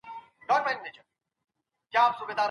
دوه سوه کاله د انګلیس تر استعمار لاندي وو، فقر،